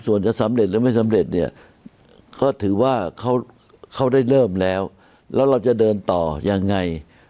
ส่วนจะสำเร็จหรือไม่สำเร็จเนี่ยก็ถือว่าเขาได้เริ่มแล้วแล้วเราจะเดินต่อยังไง